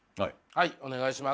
はいお願いします。